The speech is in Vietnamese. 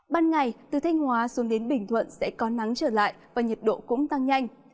ban ngày từ thanh hóa xuống đến bình thuận sẽ có nắng trở lại và nhiệt độ cũng tăng nhanh